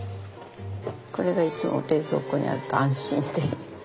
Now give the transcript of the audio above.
これがいつも冷蔵庫にあると安心っていう。